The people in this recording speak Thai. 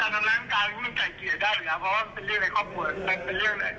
แปลกออกไป